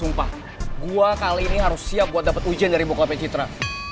sumpah gua kali ini harus siap buat dapet ujian dari bokapnya citra